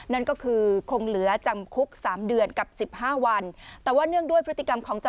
นั่นก็คือคงเหลือจำคุก๓เดือนกับ๑๕วัน